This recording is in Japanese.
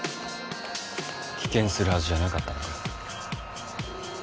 棄権するはずじゃなかったのか？